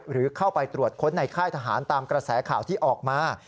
หรือเข้าไปตรวจค้นในค่ายทหารตามกระแสข่าวที่ออกมา